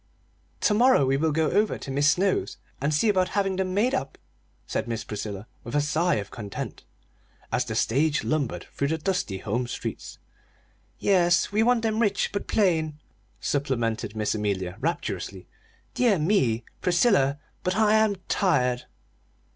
"To morrow we will go over to Mis' Snow's and see about having them made up," said Miss Priscilla with a sigh of content, as the stage lumbered through the dusty home streets. "Yes; we want them rich, but plain," supplemented Miss Amelia, rapturously. "Dear me, Priscilla, but I am tired!"